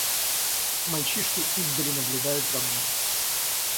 Мальчишки издали наблюдают за мной.